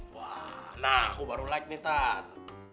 wah nah aku baru like nih tan